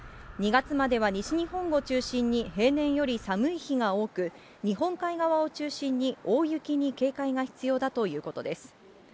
２月までは西日本を中心に平年より寒い日が多く、日本海側を中心に大雪に警戒が必要だということです。